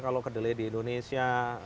kalau kedele di indonesia